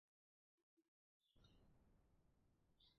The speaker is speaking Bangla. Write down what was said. যতোই কাছে যাবে, আয়নাটা ততোই স্ফীত হবে!